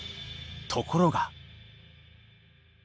ところが。